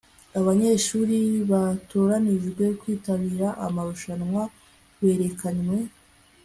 abanyeshuri batoranijwe kwitabira amarushanwa berekanywe